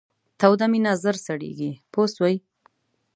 توده مینه ژر سړیږي پوه شوې!.